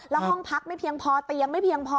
แล้วห้องพักไม่เพียงพอเตียงไม่เพียงพอ